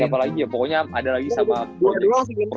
siapa lagi ya pokoknya ada lagi sama project ronfix gitu